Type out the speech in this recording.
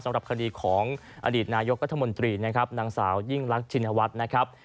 สำหรับคดีของอดีตนายกรัฐมนตรีนะครับนางสาวยิ่งรักชินวัฒน์นะครับ